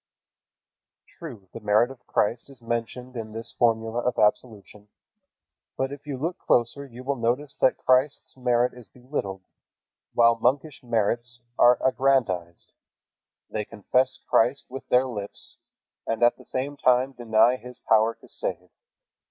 True, the merit of Christ is mentioned in this formula of absolution. But if you look closer you will notice that Christ's merit is belittled, while monkish merits are aggrandized. They confess Christ with their lips, and at the same time deny His power to save.